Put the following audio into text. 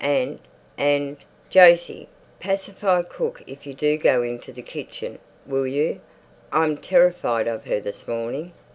And—and, Jose, pacify cook if you do go into the kitchen, will you? I'm terrified of her this morning."